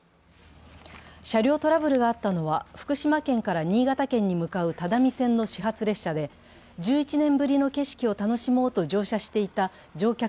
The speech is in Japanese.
車両トラブルがあったのは福島県から新潟県に向かう只見線の始発列車で、１１年ぶりの景色を楽しもうと乗車していた乗客